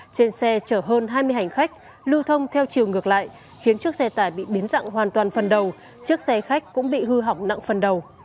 trên xe chở hơn hai mươi hành khách lưu thông theo chiều ngược lại khiến chiếc xe tải bị biến dặn hoàn toàn phần đầu chiếc xe khách cũng bị hư hỏng nặng phần đầu